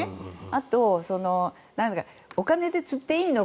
あとお金で釣っていいの？